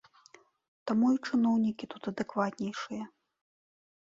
Таму і чыноўнікі тут адэкватнейшыя.